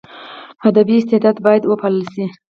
ادبي استعداد باید وپالل سي.